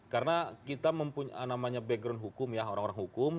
karena kita namanya background hukum ya orang orang hukum